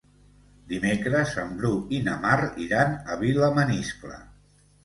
Dimecres en Bru i na Mar iran a Vilamaniscle.